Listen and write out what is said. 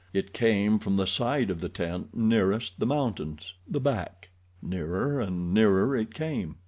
It came from the side of the tent nearest the mountains—the back. Nearer and nearer it came.